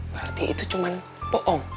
berarti itu cuma bohong